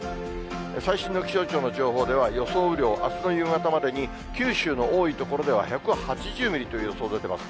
最新の気象庁の情報では、予想雨量、あすの夕方までに九州の多い所では１８０ミリという予想出てます。